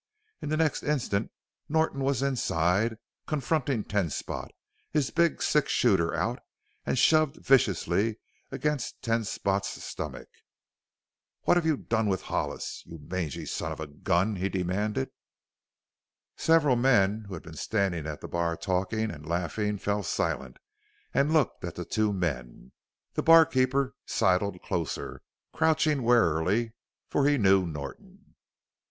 In the next instant Norton was inside, confronting Ten Spot, his big six shooter out and shoved viciously against Ten Spot's stomach. "What have you done with Hollis, you mangy son of a gun?" he demanded. Several men who had been standing at the bar talking and laughing fell silent and looked at the two men, the barkeeper sidled closer, crouching warily, for he knew Norton.